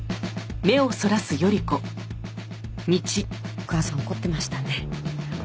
お母さん怒ってましたね。